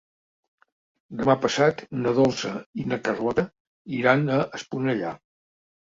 Demà passat na Dolça i na Carlota iran a Esponellà.